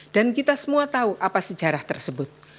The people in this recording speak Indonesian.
dan kita semua tahu apa sejarah tersebut